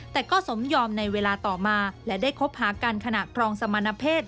แต่ก็สมยอมในเวลาต่อมาและได้คบหากันขณะครองสมณเพศ